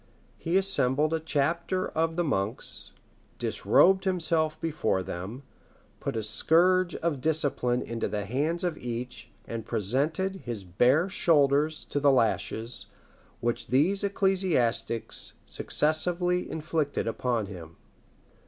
He assembled a chapter of the monks, disrobed himself before them, put a scourge of discipline into the hands of each, and presented his bare shoulders to the lashes which these ecclesiastics successively inflicted upon him.